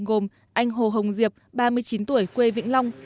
gồm anh hồ hồng diệp ba mươi chín tuổi quê vĩnh long